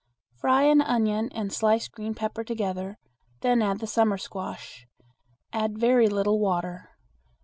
Fry an onion and sliced green pepper together; then add the summer squash. Add very little water.